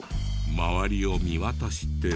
周りを見渡しても。